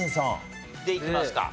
でいきますか？